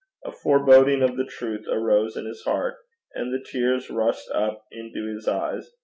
A foreboding of the truth arose in his heart, and the tears rushed up into his eyes.